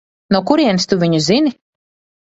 No kurienes tu viņu zini?